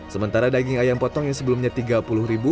sementara daging ayam potong yang sebelumnya rp tiga puluh